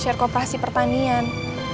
share kooperasi pertanian